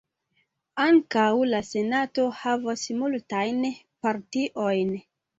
Ankaŭ la Senato havos multajn partiojn.